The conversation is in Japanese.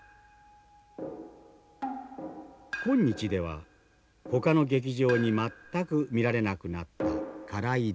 今日ではほかの劇場に全く見られなくなった空井戸。